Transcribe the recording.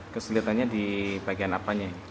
kesulitannya di bagian apanya